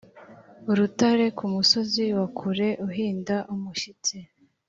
urutare kumusozi wa kure uhinda umushyitsi,